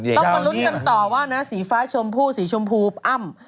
ต้องมาลุ้นกันต่อว่านะสีฟ้าชมพู่สีชมพูอ้ำ